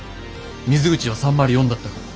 水口は３０４だったから。